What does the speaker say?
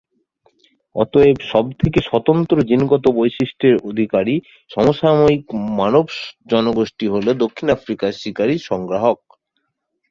অতএব সবথেকে স্বতন্ত্র জিনগত বৈশিষ্ট্যের অধিকারী সমসাময়িক মানব জনগোষ্ঠী হল দক্ষিণ আফ্রিকার শিকারী-সংগ্রাহক।